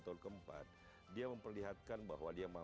teman mengu foi